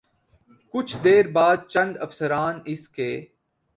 کچھ دیر بعد چند افسران اس کے